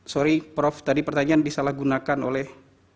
sorry prof tadi pertanyaan disalah gunakan oleh